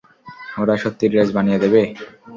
ওরা সত্যি ড্রেস বানিয়ে দেবে?